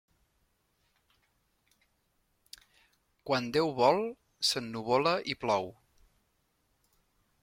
Quan Déu vol, s'ennuvola i plou.